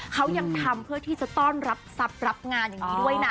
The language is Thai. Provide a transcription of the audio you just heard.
เขายังทำเพื่อที่จะต้อนรับทรัพย์รับงานอย่างนี้ด้วยนะ